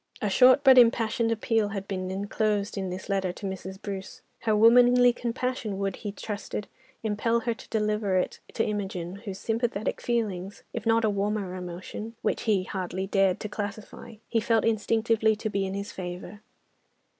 A short but impassioned appeal had been enclosed in this letter to Mrs. Bruce. Her womanly compassion would, he trusted, impel her to deliver it to Imogen, whose sympathetic feelings, if not a warmer emotion, which he hardly dared to classify, he felt instinctively to be in his favour.